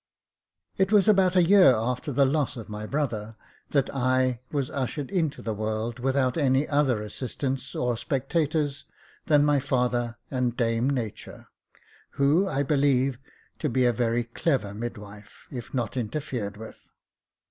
It was about a year after the loss of my brother that I was ushered into the world without any other assistants or spectators than my father and Dame Nature, who I believe to be a very clever midwife, if not interfered with.